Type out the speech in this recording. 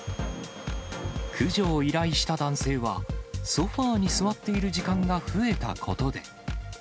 駆除を依頼した男性は、ソファに座っている時間が増えたことで。